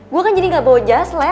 gue kan jadi gak bawa just lab